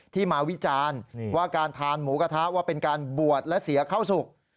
ที่มาวิจารณ์ว่าการทานหมูกระทะว่าเป็นการบวชและเสียเข้าสุข